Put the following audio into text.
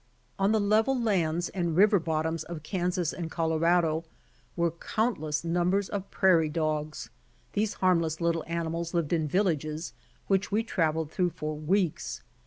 On the level lands and river bottoms of Kansas and Colorado were countless numbers of prairie dogs. These harmless little animals lived in villages, which w© traveled through for weeks.